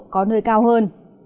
có nơi cao hơn